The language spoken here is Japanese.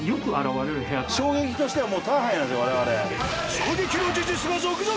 衝撃の事実が続々！